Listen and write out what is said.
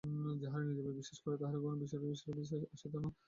যাহার নিজের উপর বিশ্বাস নাই, তাহার কখনই ঈশ্বরে বিশ্বাস আসিতে পারে না।